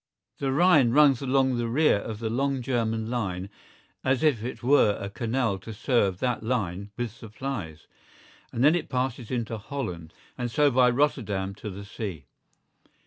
The Rhine runs along the rear of the long German line as if it were a canal to serve that line with supplies, and then it passes into Holland and so by Rotterdam to the sea.